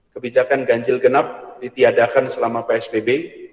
kebijakan ganjil genap ditiadakan selama psbb